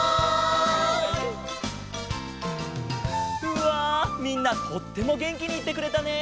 うわみんなとってもげんきにいってくれたね。